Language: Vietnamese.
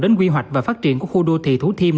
đến quy hoạch và phát triển của khu đô thị thủ thiêm